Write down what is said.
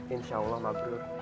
insya allah mabrur